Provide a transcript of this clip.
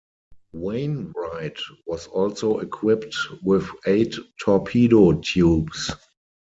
"Wainwright" was also equipped with eight torpedo tubes.